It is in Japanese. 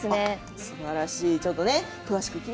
すばらしいです。